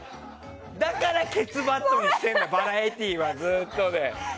だからケツバットやっているんだバラエティーはずっとで。